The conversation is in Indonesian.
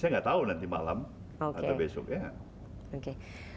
saya nggak tahu nanti malam atau besok ya